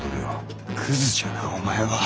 クズじゃなお前は。